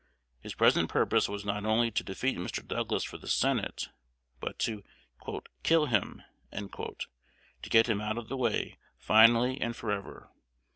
His present purpose was not only to defeat Mr. Douglas for the Senate, but to "kill him," to get him out of the way finally and forever.